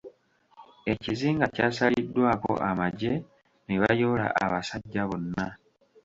Ekizinga kyasaliddwako amagye ne bayoola abasajja bonna.